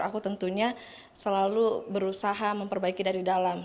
aku tentunya selalu berusaha memperbaiki dari dalam